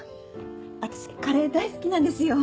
私カレー大好きなんですよ